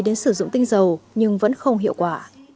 đến sử dụng tinh dầu nhưng vẫn không hiệu quả